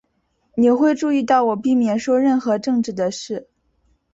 你会注意到我避免说任何政治的事。